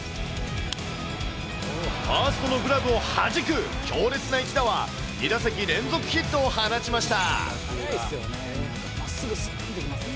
ファーストのグラブをはじく強烈な一打は、２打席連続ヒットを放ちました。